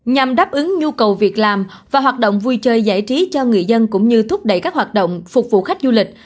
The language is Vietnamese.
nhằm đáp ứng nhu cầu việc làm và hoạt động vui chơi giải trí cho người dân cũng như thúc đẩy các hoạt động phục vụ khách du lịch